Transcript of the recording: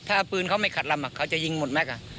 ถ้าเอาปืนเขาไม่ขัดลำเขาจะยิงหมดแม็กซ์